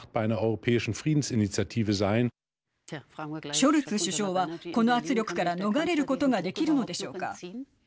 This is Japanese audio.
ショルツ首相は、この圧力から逃れることができるのでしょうか。